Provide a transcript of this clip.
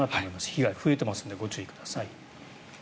被害が増えていますのでご注意ください。